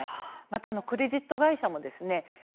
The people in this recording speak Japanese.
また、クレジット会社もですね